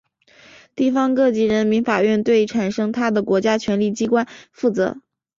地方各级人民法院对产生它的国家权力机关负责。